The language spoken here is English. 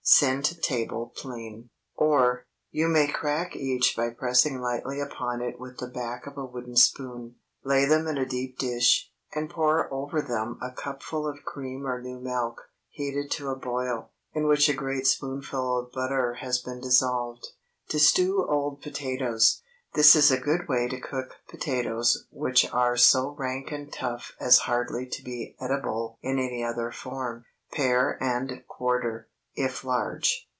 Send to table plain. Or, You may crack each by pressing lightly upon it with the back of a wooden spoon, lay them in a deep dish, and pour over them a cupful of cream or new milk, heated to a boil, in which a great spoonful of butter has been dissolved. TO STEW OLD POTATOES. ✠ This is a good way to cook potatoes which are so rank and tough as hardly to be eatable in any other form. Pare and quarter, if large.